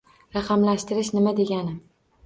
Raqamlashtirish nima degani?